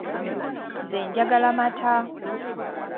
Nze njagala mata.